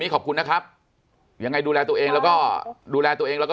ขอบคุณนะครับยังไงดูแลตัวเองแล้วก็ดูแลตัวเองแล้วก็